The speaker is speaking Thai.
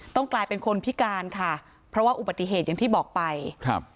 กลายเป็นคนพิการค่ะเพราะว่าอุบัติเหตุอย่างที่บอกไปครับ